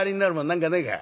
何かねえか？